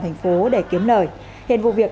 tp để kiếm lời hiện vụ việc